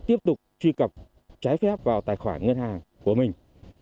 tiếp tục truy cập trái phép vào tài khoản ngân hàng của mình